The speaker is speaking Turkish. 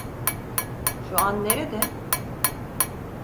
Şu anda nerede?